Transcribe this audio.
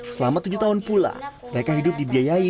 selama tujuh tahun pula reka hidup dibiayai dari yayasan